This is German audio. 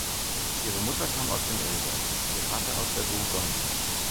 Ihre Mutter kam aus dem Elsass, ihr Vater aus der Bourgogne.